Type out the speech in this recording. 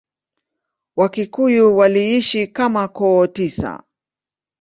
Wakikuyu waliishi kama koo tisa.